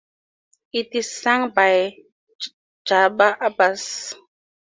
It is sung by Jabar Abbas.